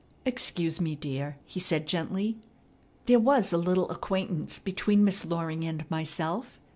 "Excuse me, dear," he said gently, "There was a little acquaintance between Miss Loring and myself.